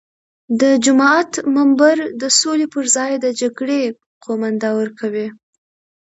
د جومات منبر د سولې پر ځای د جګړې قومانده ورکوي.